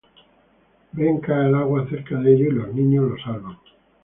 Ben cae al agua cerca de ellos, y los niños lo salvan.